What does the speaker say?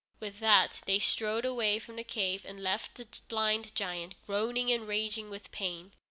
With that they strode away from the cave and left the blind giant groaning and raging with pain.